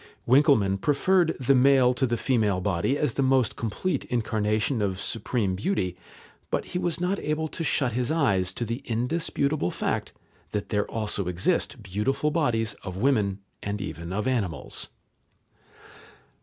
Winckelmann preferred the male to the female body as the most complete incarnation of supreme beauty, but he was not able to shut his eyes to the indisputable fact that there also exist beautiful bodies of women and even of animals.